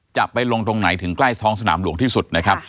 จะไปลงตรงไหนถึงใกล้ท้องสนามหลวงที่สุดนะครับ